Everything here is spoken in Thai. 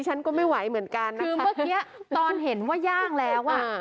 ฉันก็ไม่ไหวเหมือนกันนะคือเมื่อกี้ตอนเห็นว่าย่างแล้วอ่ะ